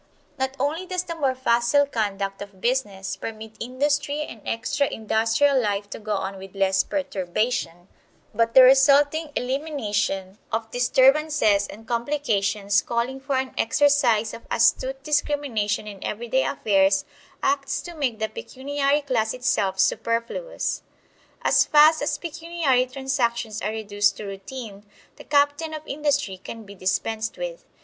Not only does the more facile conduct of business permit industry and extra industrial life to go on with less perturbation; but the resulting elimination of disturbances and complications calling for an exercise of astute discrimination in everyday affairs acts to make the pecuniary class itself superfluous. As fast as pecuniary transactions are reduced to routine, the captain of industry can be dispensed with.